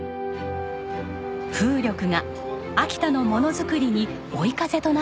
風力が秋田のものづくりに追い風となっています。